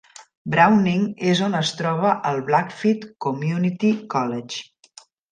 Browning és on es troba el Blackfeet Community College.